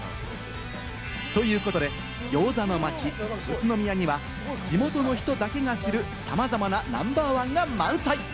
ということでギョーザの街・宇都宮には、地元の人だけが知るさまざまなナンバーワンが満載。